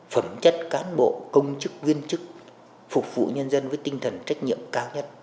phẩm chất cán bộ công chức viên chức phục vụ nhân dân với tinh thần trách nhiệm cao nhất